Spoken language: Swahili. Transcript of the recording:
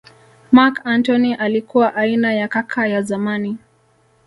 Marc Antony alikuwa aina ya kaka ya zamani